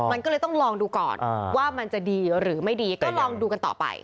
มันก็เลยต้องลองดูก่อนว่ามันจะดีหรือไม่ดีก็ลองดูกันต่อไป